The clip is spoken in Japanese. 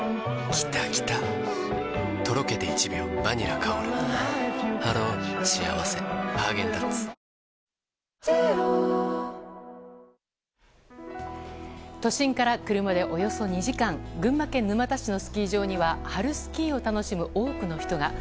なくしたと思っていたリップクリームが都心から車でおよそ２時間群馬県沼田市のスキー場には春スキーを楽しむ多くの人が。